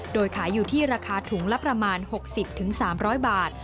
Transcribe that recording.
โดยขายอยู่ที่ราคาถุงละประมาณ๖๐๓๐๐บาท